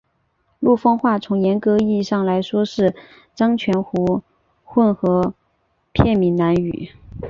陆丰话从严格意义上来说是漳泉潮混合片闽南语。